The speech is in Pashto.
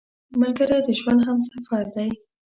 ملګری د ژوند همسفر دی